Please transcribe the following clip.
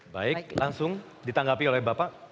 baik langsung ditanggapi oleh bapak